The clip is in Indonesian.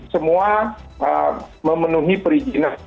semua memenuhi perizinan